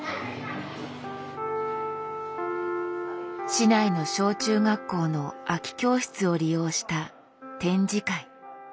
市内の小中学校の空き教室を利用した展示会。